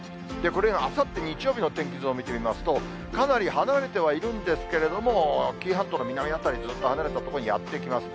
これがあさって日曜日の天気図を見てみますと、かなり離れてはいるんですけれども、紀伊半島の南辺りにずっと離れた所にやって来ます。